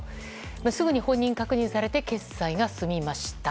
すぐに本人確認されて決済が済みました。